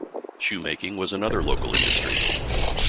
Shoemaking was another local industry.